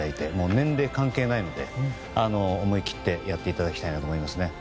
年齢関係ないので思い切ってやっていただきたいなと思います。